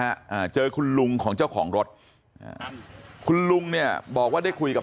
อ่าเจอคุณลุงของเจ้าของรถอ่าคุณลุงเนี่ยบอกว่าได้คุยกับ